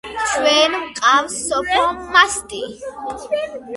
ჩვენ გვიყვარს სოფო მასწი